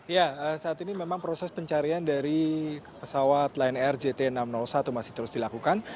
ya saat ini memang proses pencarian dari pesawat lion air jt enam ratus satu masih terus dilakukan